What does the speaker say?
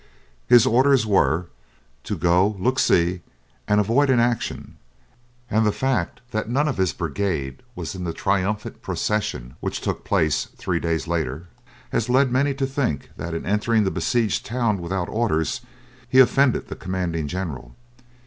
His orders were "to go, look, see," and avoid an action, and the fact that none of his brigade was in the triumphant procession which took place three days later has led many to think that in entering the besieged town without orders he offended the commanding general.